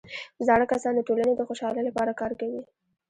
زاړه کسان د ټولنې د خوشحالۍ لپاره کار کوي